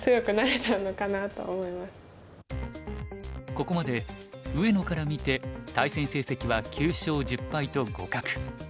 ここまで上野から見て対戦成績は９勝１０敗と互角。